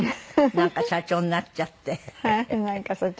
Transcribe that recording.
なんか社長になっちゃって。